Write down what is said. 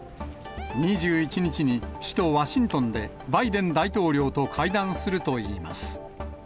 ２１日に、首都ワシントンでバイデン大統領と会談するといいます。